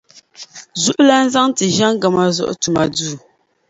zuɣulana zaŋ ti Ʒe-Ngama Zuɣu Tumaduu.